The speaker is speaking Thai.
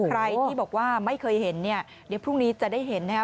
ใครที่บอกว่าไม่เคยเห็นเนี่ยเดี๋ยวพรุ่งนี้จะได้เห็นนะครับ